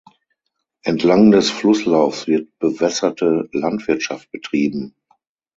Entlang des Flusslaufs wird bewässerte Landwirtschaft betrieben.